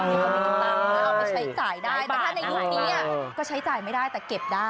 เอาไปใช้จ่ายได้แต่ถ้าในยุคนี้ก็ใช้จ่ายไม่ได้แต่เก็บได้